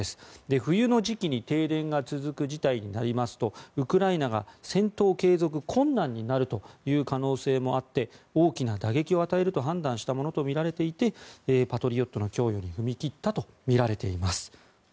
冬の時期に停電が続く事態になりますとウクライナが戦闘継続困難になるという可能性もあって大きな打撃を与えると判断したものとみられていてパトリオットの供与に踏み切ったとみられています。